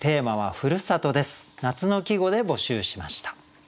夏の季語で募集しました。